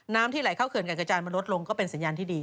ที่ไหลเข้าเขื่อนการกระจายมันลดลงก็เป็นสัญญาณที่ดี